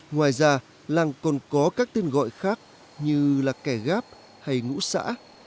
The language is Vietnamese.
ngoài ra làng còn có các tên gọi khác như là kẻ gáp hay ngũ xã